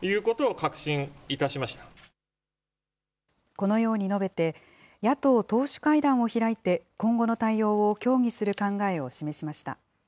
このように述べて、野党党首会談を開いて、今後の対応を協議する考えを示しました。